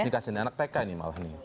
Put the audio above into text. ini dikasih anak teka ini malah